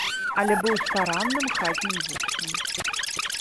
Але быў старанным хатнім вучнем.